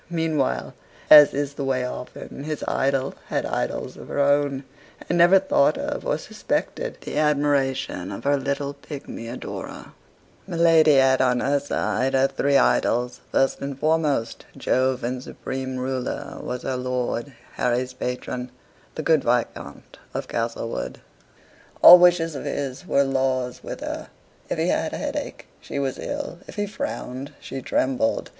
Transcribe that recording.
Meanwhile, as is the way often, his idol had idols of her own, and never thought of or suspected the admiration of her little pigmy adorer. My lady had on her side her three idols: first and foremost, Jove and supreme ruler, was her lord, Harry's patron, the good Viscount of Castlewood. All wishes of his were laws with her. If he had a headache, she was ill. If he frowned, she trembled.